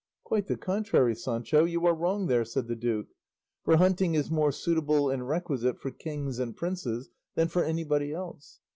"Quite the contrary, Sancho; you are wrong there," said the duke; "for hunting is more suitable and requisite for kings and princes than for anybody else.